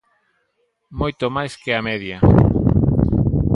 Moito máis que a media.